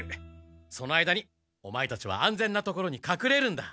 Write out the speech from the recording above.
その間にオマエたちは安全な所にかくれるんだ。